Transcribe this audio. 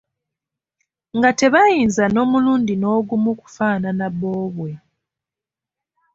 Nga tebayinza n‘omulundi n‘ogumu kufaanana boobwe.